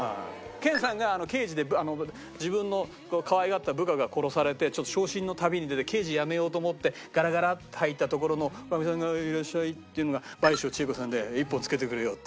健さんが刑事で自分のかわいがってた部下が殺されてちょっと傷心の旅に出て刑事辞めようと思ってガラガラって入った所のおかみさんがいらっしゃいって言うのが倍賞千恵子さんで「一本つけてくれよ」って言って。